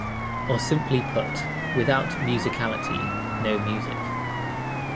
Or simply put: without musicality no music.